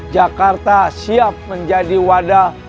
jakarta siap menjadi wadah